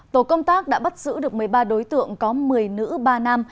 tổ công tác đã bắt giữ được một mươi ba đối tượng có một mươi nữ ba nam